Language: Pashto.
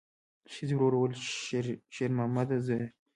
ښځې ورو وویل: شېرمامده زویه!